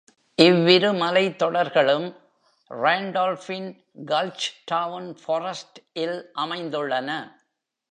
இவ்விருமலைத்தொடர்களும் Randolph-இன் Gulch Town Forest-இல் அமைந்துள்ளன.